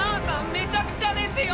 めちゃくちゃですよ！